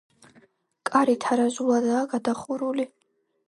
კარი თარაზულადაა გადახურული.